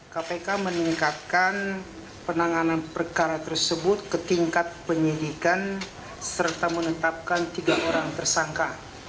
kpk meningkatkan penanganan perkara tersebut ke tingkat penyidikan serta menetapkan tiga orang tersangka